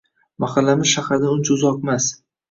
Mahallamiz shahardan uncha uzoqmas.